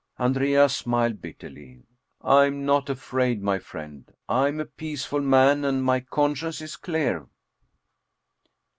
Andrea smiled bitterly. " I am not afraid, my friend. I am a peaceful man and my conscience is clear."